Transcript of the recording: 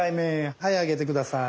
はい上げて下さい。